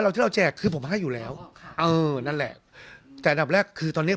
แล้วที่เราแจกคือผมให้อยู่แล้วเออนั่นแหละแต่ภาพแรกคือตอนนี้